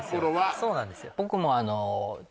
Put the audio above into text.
そうなんです